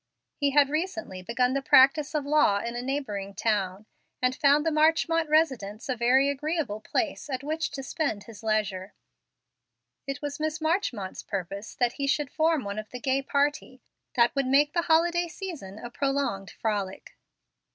He had recently begun the practice of law in a neighboring town, and found the Marchmont residence a very agreeable place at which to spend his leisure. It was Miss Marchmont's purpose that he should form one of the gay party that would make the holiday season a prolonged frolic.